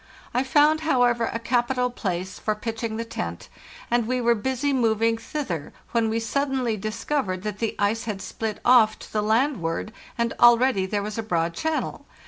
I found, however, a capital place for pitching g thither when we the tent, and we were busy movin suddenly discovered that the ice had split off to the land ward, and already there was a broad channel.